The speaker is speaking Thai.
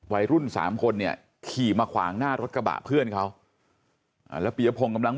วัยรุ่นสามคนเนี่ยขี่มาขวางหน้ารถกระบะเพื่อนเขาแล้วปียพงศ์กำลัง